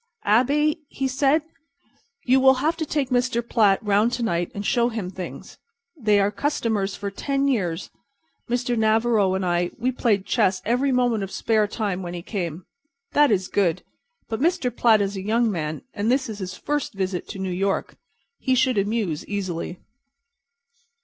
"Abey," he said, "you will have to take Mr. Platt around to night and show him things. They are customers for ten years. Mr. Navarro and I we played chess every moment of spare time when he came. That is good, but Mr. Platt is a young man and this is his first visit to New York. He should amuse easily."